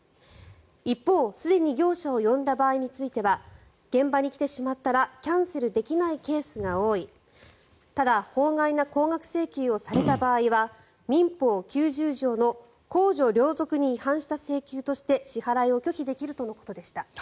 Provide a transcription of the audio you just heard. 一方、すでに業者を呼んだ場合については現場に来てしまったらキャンセルできないケースが多いただ、法外な高額請求をされた場合は民法９０条の公序良俗に違反した請求として支払いを拒否できるとのことでした。